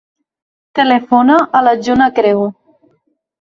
Telefona a la Juna Crego.